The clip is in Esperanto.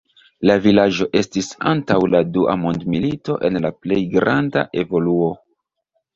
La vilaĝo estis antaŭ la dua mondmilito en la plej granda evoluo.